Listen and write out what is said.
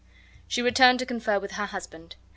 She returned to confer with her husband.